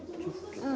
うん。